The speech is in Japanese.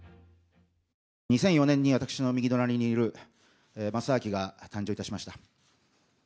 ２００４年に私の右隣にいる政明が誕生いたしました。